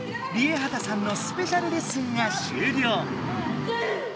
ＲＩＥＨＡＴＡさんのスペシャルレッスンが終了。